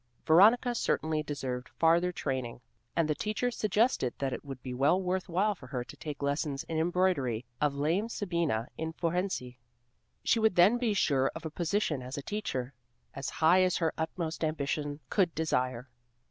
Veronica certainly deserved farther training and the teacher suggested that it would be well worth while for her to take lessons in embroidery of lame Sabina in Fohrensee. She would then be sure of a position as a teacher, as high as her utmost ambition could desire.